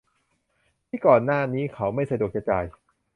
ที่ก่อนหน้านี้เขาไม่สะดวกจะจ่าย